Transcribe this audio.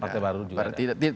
partai baru juga ada